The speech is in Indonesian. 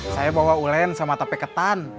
saya bawa ulen sama tope ketan